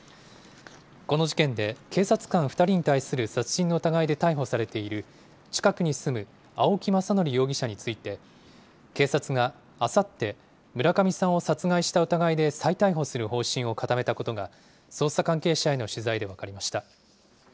この事件で警察官２人に対する殺人の疑いで逮捕されている近くに住む青木政憲容疑者について、警察があさって、村上さんを殺害した疑いで再逮捕する方針を固めたことが、捜査関係者への取材で分かりました。